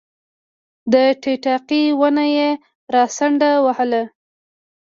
د ټیټاقې ونه یې راڅنډ وهله